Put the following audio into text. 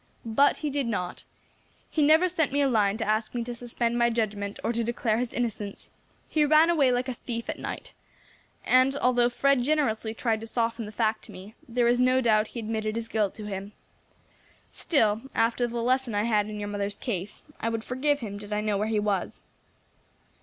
But he did not; he never sent me a line to ask me to suspend my judgment or to declare his innocence; he ran away like a thief at night, and, although Fred generously tried to soften the fact to me, there is no doubt he admitted his guilt to him. Still, after the lesson I had in your mother's case, I would forgive him did I know where he was.